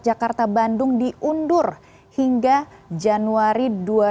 jakarta bandung diundur hingga januari dua ribu dua puluh